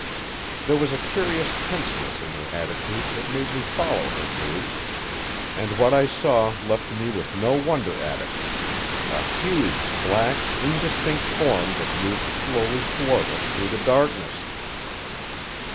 There was a curious tenseness in her attitude that made me follow her gaze, and what I saw left me with no wonder at it a huge, black, indistinct form that moved slowly toward us through the darkness.